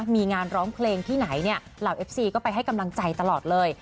มีงานร้องเพลงที่ไหนเนี่ยเหล่าเอฟซีก็ไปให้กำลังใจตลอดเลย